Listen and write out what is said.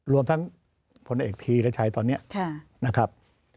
รวมทั้งพเพและชายตอนนี้นะครับ